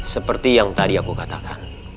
seperti yang tadi aku katakan